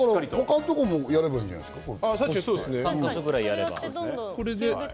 他のところもやればいいんじゃないですか？